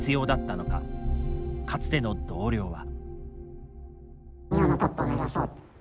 かつての同僚は。